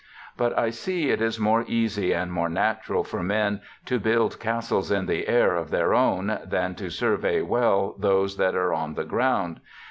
But I see it is more easy and more natural for men to build castles in the air of their own than to survey well those that are on the ground.